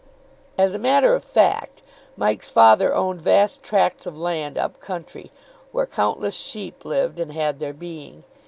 As a matter of fact, Mike's father owned vast tracts of land up country, where countless sheep lived and had their being.